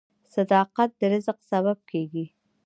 • صداقت د رزق سبب کیږي.